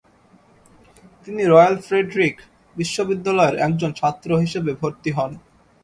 তিনি royal Frederick বিশ্ববিদ্যালয়ের একজন ছাত্র হিসেবে ভর্তি হন।